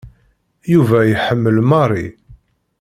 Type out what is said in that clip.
Yuba iḥemmel Mary.